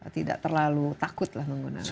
tidak terlalu takutlah menggunakannya